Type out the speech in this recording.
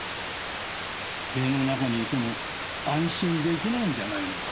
塀の中にいても安心できないんじゃないのか？